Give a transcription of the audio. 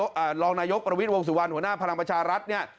รองนายกประวิทย์วงสุวรรณหัวหน้าพลังประชารัฐเนี่ย